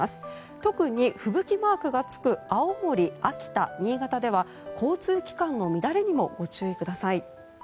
特に吹雪マークがつく青森、秋田、新潟では交通機関の乱れにもご注意ください。